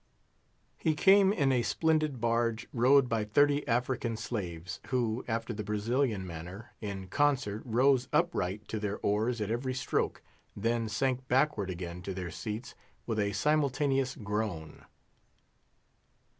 He came in a splendid barge, rowed by thirty African slaves, who, after the Brazilian manner, in concert rose upright to their oars at every stroke; then sank backward again to their seats with a simultaneous groan.